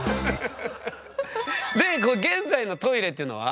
で「現在」の「トイレ」っていうのは？